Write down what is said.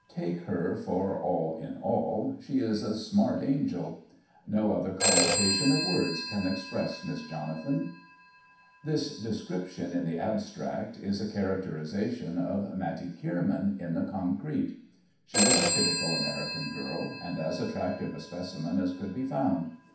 Take her for all in all, she is a smart angel. No other collocation of words can express Miss Jonathan, 168 MISS JONATHAN This description in the abstract is a characterization of Matty Kierman in the concrete. She was a typical American girl, and as attractive a specimen as could be found.